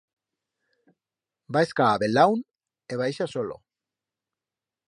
Va a escar a bel·laún e baixa solo.